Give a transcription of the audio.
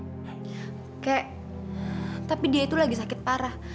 kayak tapi dia itu lagi sakit parah